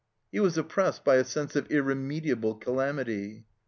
He was oppressed by a sense of irremediable calamity.